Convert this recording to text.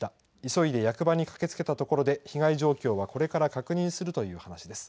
急いで役場に駆けつけたところで、被害状況はこれから確認するという話です。